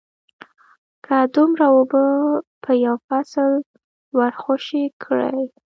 که دومره اوبه په یو فصل ورخوشې کړې